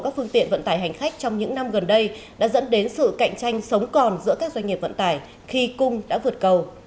các phương tiện vận tải hành khách trong những năm gần đây đã dẫn đến sự cạnh tranh sống còn giữa các doanh nghiệp vận tải khi cung đã vượt cầu